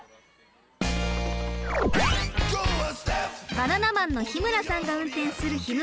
バナナマンの日村さんが運転するひむ